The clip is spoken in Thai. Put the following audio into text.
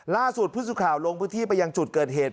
ล่าสุดผู้สื่อข่าวลงพื้นที่ไปยังจุดเกิดเหตุ